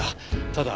ただ。